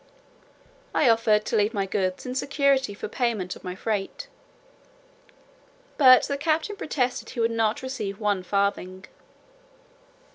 I offered to leave my goods in security for payment of my freight: but the captain protested he would not receive one farthing.